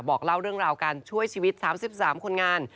บอกเล่าเรื่องราวการช่วยชีวิต๓๓คนงาน